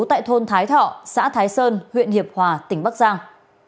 tại thôn thái thọ xã thái sơn huyện hiệp hòa tỉnh bắc giang